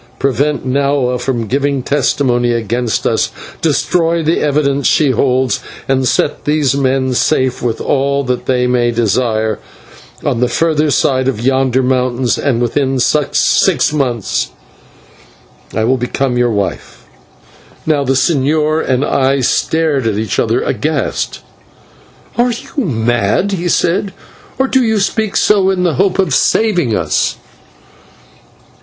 Prevent Nahua from giving testimony against us; destroy the evidences she holds, and set these men safe, with all that they may desire, on the further side of yonder mountain, and within six months I will become your wife." Now the señor and I stared at each other aghast. "Are you mad?" he said, "or do you speak so in the hope of saving us?"